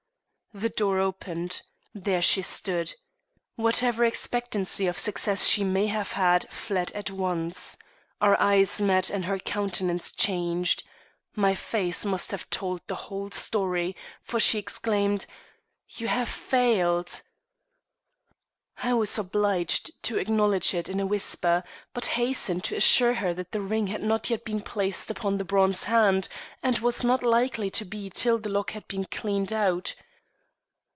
The door opened. There she stood. Whatever expectancy of success she may have had fled at once. Our eyes met and her countenance changed. My face must have told the whole story, for she exclaimed: "You have failed!" I was obliged to acknowledge it in a whisper, but hastened to assure her that the ring had not yet been placed upon the bronze hand, and was not likely to be till the lock had been cleaned, out.